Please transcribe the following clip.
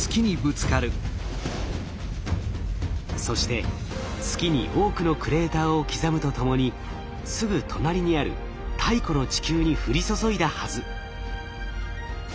そして月に多くのクレーターを刻むとともにすぐ隣にある太古の地球に降り注いだはず。